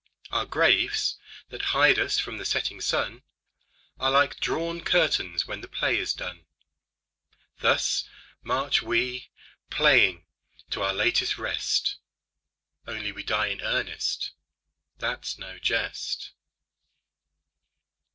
Our graves that hide us from the setting sun Are like drawn curtains when the play is done. Thus march we, playing, to our latest rest, Only we die in earnest, that's no jest.